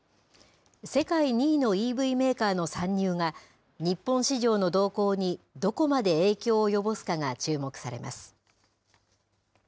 世界２位のＥＶメーカーの参入が、日本市場の動向にどこまで影響を及ぼすかが注目されます。